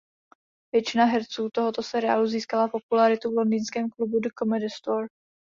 Většina herců tohoto seriálu získala popularitu v londýnském klubu The Comedy Store.